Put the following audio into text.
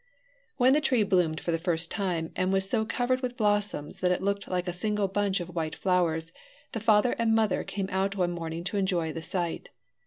When the tree bloomed for the first time and was so covered with blossoms that it looked like a single bunch of white flowers, the father and mother came out one morning to enjoy the sight.